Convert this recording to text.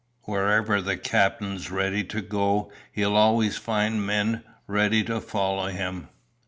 "Wherever the captain's ready to go he'll always find men ready to follow him.